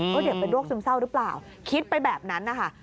เด็กเป็นโรคซึมเศร้าหรือเปล่าคิดไปแบบนั้นนะคะ